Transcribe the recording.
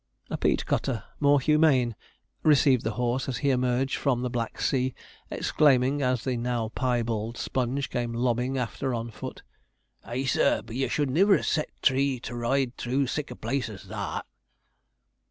A peat cutter, more humane, received the horse as he emerged from the black sea, exclaiming, as the now piebald Sponge came lobbing after on foot, 'A, sir! but ye should niver set tee to ride through sic a place as that!'